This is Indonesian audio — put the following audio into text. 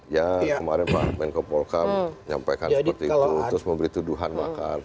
ya kemarin pak menko polkam nyampaikan seperti itu terus memberi tuduhan makar